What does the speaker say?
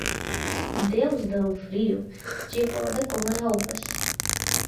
Deus dá o frio de acordo com as roupas.